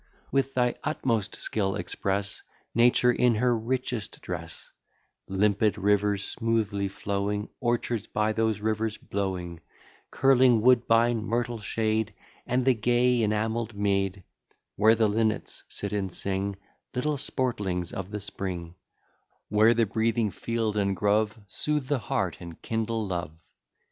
With thy utmost skill express Nature in her richest dress, Limpid rivers smoothly flowing, Orchards by those rivers blowing; Curling woodbine, myrtle shade, And the gay enamell'd mead; Where the linnets sit and sing, Little sportlings of the spring; Where the breathing field and grove Soothe the heart and kindle love.